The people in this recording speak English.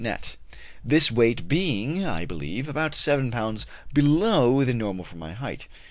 net this weight being, I believe, about 7 lbs. below the normal for my height.